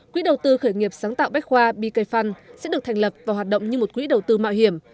quỹ đầu tư khởi nghiệp sáng tạo bách khoa bk fun sẽ được thành lập và hoạt động như một quỹ đầu tư mạo hiểm